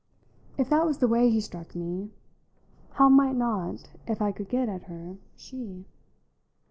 If that was the way he struck me, how might not, if I could get at her, she?